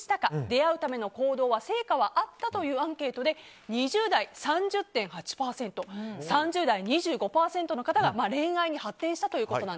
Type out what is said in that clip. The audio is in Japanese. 出会うための行動は成果はあったというアンケートで２０代、３０．８％３０代、２５％の方が恋愛に発展したと。